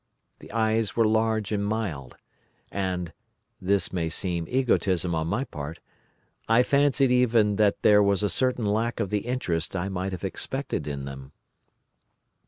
The eyes were large and mild; and—this may seem egotism on my part—I fancied even that there was a certain lack of the interest I might have expected in them.